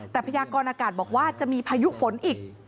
แต่พยากรอากาศบอกว่าจะมีพายุฝนอีก